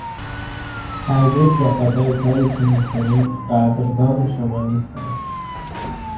هرگز بخاطر کاری که می کنید قدردان شما نیستند.